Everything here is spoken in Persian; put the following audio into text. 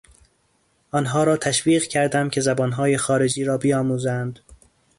آنها را تشویق کردم که زبانهای خارجی را بیاموزند.